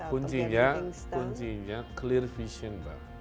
kuncinya clear vision pak